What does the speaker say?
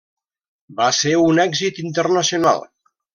Va ser un èxit internacional.